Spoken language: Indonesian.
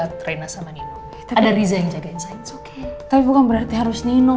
roosevelt karena sama nino tapi ada risa yang jagain sains oke tapi bukan berarti harus nino